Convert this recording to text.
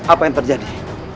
apa yang terjadi